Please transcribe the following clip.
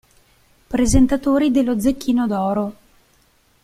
Presentatori dello Zecchino d'Oro